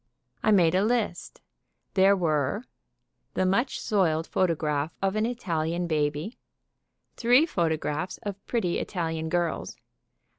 I made a list. There were: The much soiled photograph of an Italian baby. Three photographs of pretty Italian girls.